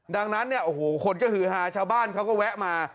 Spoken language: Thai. ดังนั้นเนี่ยโอ้โหคนก็ฮือฮาชาวบ้านเขาก็แวะมา